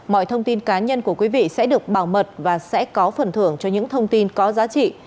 mọi thông tin cá nhân của quý vị sẽ được bảo mật và sẽ có phần thưởng cho những thông tin có giá trị